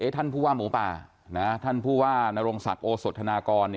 ท่านผู้ว่าหมูป่าท่านผู้ว่านรงศักดิ์โอสธนากร